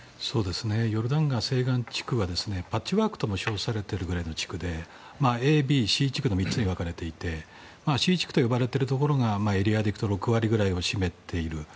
ヨルダン川西岸地区はパッチワークとも称されてるぐらいの地区でＡ、Ｂ、Ｃ地区の３つに分かれていてＣ地区と呼ばれているところがエリアでいくと６割くらいを占めている。